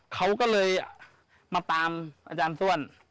เขาก็เลยมาตามอาจารย์ส้วน